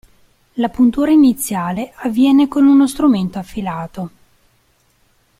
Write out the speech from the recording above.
La puntura iniziale avviene con uno strumento affilato.